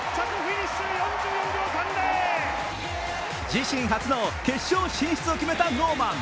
自身初の決勝進出を決めたノーマン。